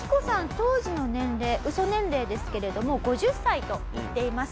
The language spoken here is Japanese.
当時の年齢ウソ年齢ですけれども５０歳と言っています。